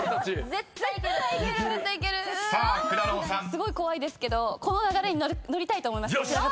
すごい怖いですけどこの流れに乗りたいと思います。